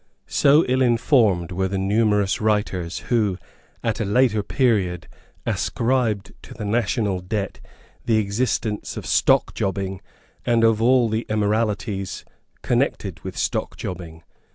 So ill informed were the numerous writers who, at a later period, ascribed to the national debt the existence of stockjobbing and of all the immoralities connected with stockjobbing.